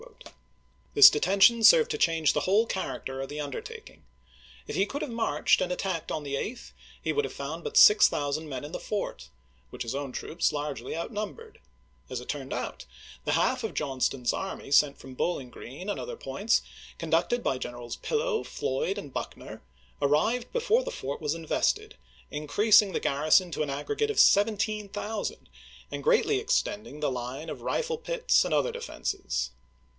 This detention served to change the whole character of the undertaking. If he could have marched and attacked on the 8th, he would have found but 6000 men in the fort, which his own troops largely out numbered ; as it turned out, the half of Johnston's army sent from Bowling Green and other points, conducted by Generals Pillow, Floyd, and Buck ner, arrived before the fort was invested, increasing the garrison to an aggregate of 17,000 and greatly extending the lines of rifle pits and other defenses.